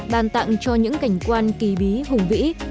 bàn tặng cho những cảnh quan kỳ bí hùng vĩ